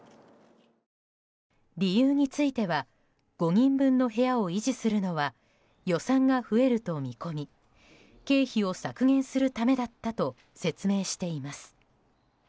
理由については５人分の部屋を維持するのは予算が増えると見込み経費を削減するためだったと説明しています。